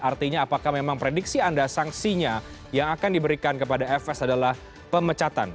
artinya apakah memang prediksi anda sanksinya yang akan diberikan kepada fs adalah pemecatan